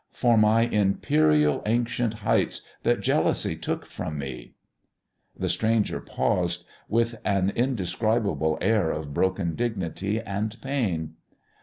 "For my imperial ancient heights that jealousy took from me " The stranger paused, with an indescribable air of broken dignity and pain.